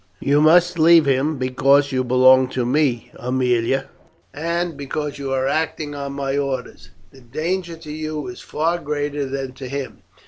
"You must leave him because you belong to me, Aemilia, and because you are acting on my orders. The danger to you is far greater than to him.